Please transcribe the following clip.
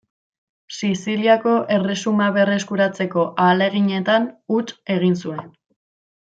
Siziliako Erresuma berreskuratzeko ahaleginetan huts egin zuen.